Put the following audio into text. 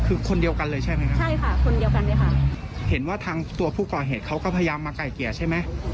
คือคนเดียวกันเลยใช่ไหมครับใช่ค่ะคนเดียวกันเลยค่ะเห็นว่าทางตัวผู้ก่อเหตุเขาก็พยายามมาไก่เกลี่ยใช่ไหม